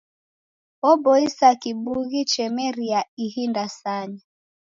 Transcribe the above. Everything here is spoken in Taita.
Oboisa kibughi chemeria ihi ndasanya.